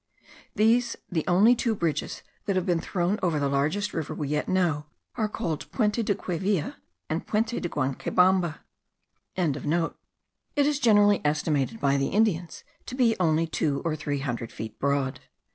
These, the only two bridges that have been thrown over the largest river we yet know, are called Puente de Quivilla, and Puente de Guancaybamba.) It is generally estimated by the Indians to be only two or three hundred feet broad.